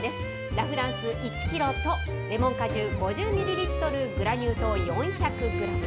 ラ・フランス１キロとレモン果汁５０ミリリットル、グラニュー糖４００グラム。